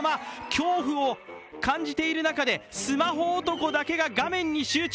恐怖を感じている中で、スマホ男だけが画面に集中。